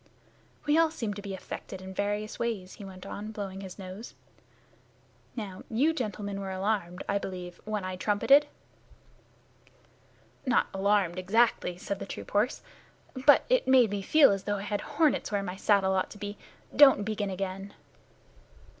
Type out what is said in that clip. "We all seem to be affected in various ways," he went on, blowing his nose. "Now, you gentlemen were alarmed, I believe, when I trumpeted." "Not alarmed, exactly," said the troop horse, "but it made me feel as though I had hornets where my saddle ought to be. Don't begin again."